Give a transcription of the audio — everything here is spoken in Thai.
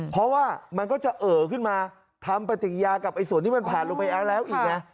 เพราะว่ามันก็จะเอ่อขึ้นมาทำปฏิญากับส่วนที่มันผ่านลงไปแล้วอีกไง